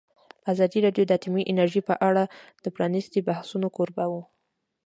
ازادي راډیو د اټومي انرژي په اړه د پرانیستو بحثونو کوربه وه.